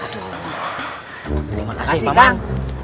terima kasih bang